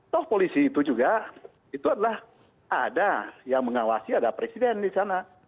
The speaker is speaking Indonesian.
toh polisi itu juga itu adalah ada yang mengawasi ada presiden di sana